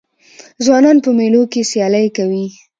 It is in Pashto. ځوانان په مېلو کښي سیالۍ کوي.